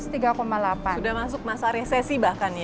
sudah masuk masa resesi bahkan ya